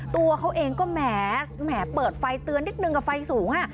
ตัวเขาเองก็แหมเปิดไฟเตือนนิดนึงกับไฟสูง